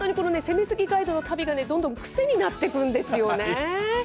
攻めすぎガイドの旅がねどんどん癖になっていくんですよね。